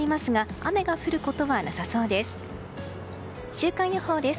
週間予報です。